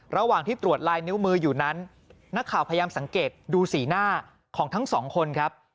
ระหว่างที่ตรวจลายนิ้วมืออยู่นั้นนักข่าวพยายามสังเกตดูสีหน้าของทั้งสองคนครับ